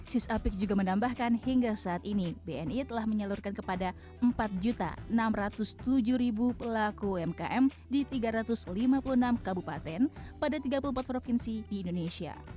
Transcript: sis apik juga menambahkan hingga saat ini bni telah menyalurkan kepada empat enam ratus tujuh pelaku umkm di tiga ratus lima puluh enam kabupaten pada tiga puluh empat provinsi di indonesia